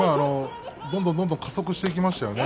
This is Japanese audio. どんどん加速していきましたね